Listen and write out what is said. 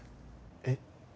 えっ？